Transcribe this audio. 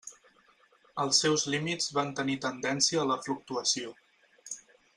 Els seus límits van tenir tendència a la fluctuació.